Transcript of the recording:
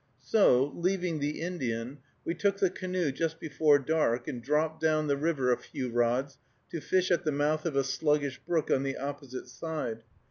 So, leaving the Indian, we took the canoe just before dark, and dropped down the river a few rods to fish at the mouth of a sluggish brook on the opposite side.